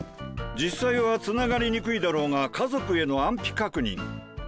実際はつながりにくいだろうが家族への安否確認。